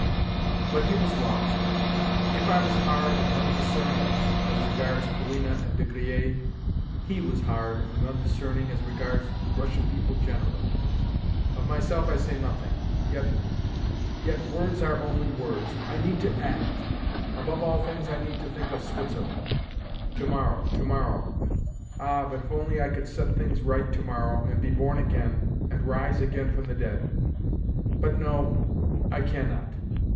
But he was wrong. If I was hard and undiscerning as regards Polina and De Griers, he was hard and undiscerning as regards Russian people generally. Of myself I say nothing. Yet—yet words are only words. I need to act. Above all things I need to think of Switzerland. Tomorrow, tomorrow—Ah, but if only I could set things right tomorrow, and be born again, and rise again from the dead! But no—I cannot.